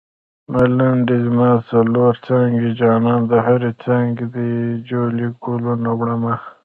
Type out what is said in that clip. ملنډۍ: زما څلور څانګې جانانه د هرې څانګې دې جولۍ ګلونه وړمه